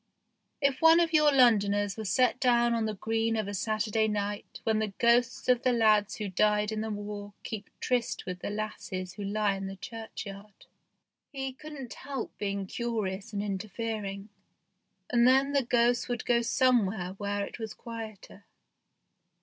If one of your Londoners were set down on the green of a Saturday night when the ghosts of the lads who died in the war keep tryst with the lasses who lie in the church yard, he couldn't help being curious and interfering, and then the ghosts would go somewhere where it was quieter.